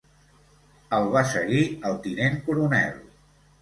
El va seguir el tinent coronel.